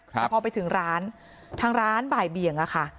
แต่พอไปถึงร้านใหม่ทั้งร้านบ่ายเบียงค่ะ